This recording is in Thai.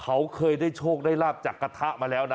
เขาเคยได้โชคได้ลาบจากกระทะมาแล้วนะ